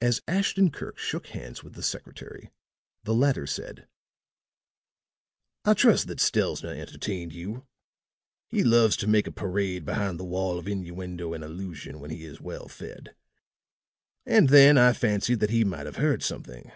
As Ashton Kirk shook hands with the secretary, the latter said: "I trust that Stelzner entertained you. He loves to make a parade behind the wall of innuendo and allusion when he is well fed. And, then, I fancied that he might have heard something."